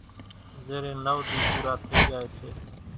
زيرين نوَ ۮي پورا ٿئي زائي سي